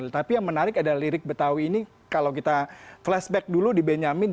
tapi yang menarik adalah lirik betawi ini kalau kita flashback dulu di benyamin